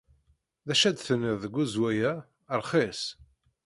D acu ay tenniḍ deg uzewwaɣ-a? Rxis.